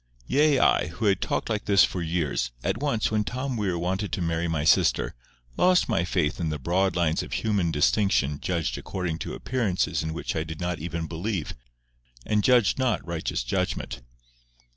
Yea I, who had talked like this for years, at once, when Tom Weir wanted to marry my sister, lost my faith in the broad lines of human distinction judged according to appearances in which I did not even believe, and judged not righteous judgment.